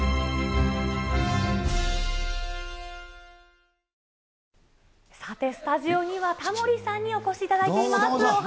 以上、さて、スタジオには、タモリさんにお越しいただいています。